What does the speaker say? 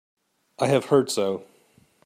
I have heard so.